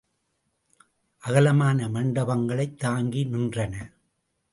அகலமான மண்டபங்களைத் தாங்கி நின்றன.